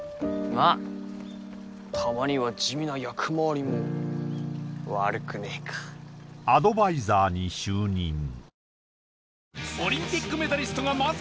あたまには地味な役回りも悪くねえかアドバイザーに就任葵君？